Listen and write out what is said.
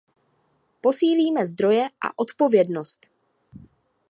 Posílíme zdroje a odpovědnost.